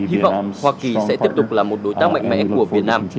hy vọng hoa kỳ sẽ tiếp tục là một đối tác mạnh mẽ của việt nam